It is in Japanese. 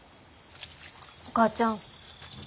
お母ちゃん。